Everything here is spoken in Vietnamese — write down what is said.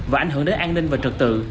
và ảnh hưởng đến an ninh và trật tự